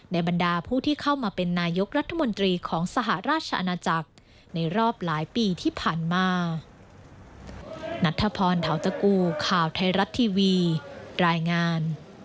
บรรดาผู้ที่เข้ามาเป็นนายกรัฐมนตรีของสหราชอาณาจักรในรอบหลายปีที่ผ่านมา